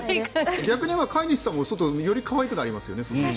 逆に言えば飼い主さんもより可愛くなりますよね。